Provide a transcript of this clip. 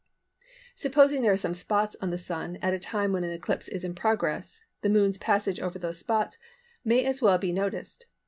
Supposing there are some spots on the Sun at a time when an eclipse is in progress the Moon's passage over these spots may as well be noticed.